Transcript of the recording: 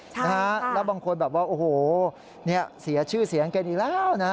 ใช่ใช่นักบางคนบอกว่าเสียชื่อเสียงกันอีกแล้วนะ